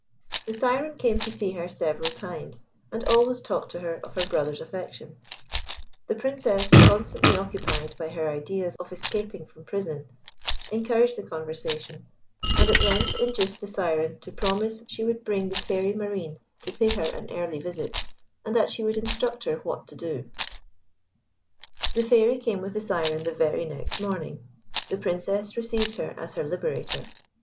The Syren came to see her several times, and always talked to her of her brother's affection; the Princess, constantly occupied by her ideas of escaping from prison, encouraged the conversation, and at length induced the Syren to promise she would bring the Fairy Marine to pay her an early visit, and that she would instruct her what to do. The Fairy came with the Syren the very next morning; the Princess received her as her liberator.